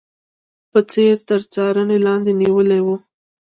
په ځیر تر څارنې لاندې نیولي و.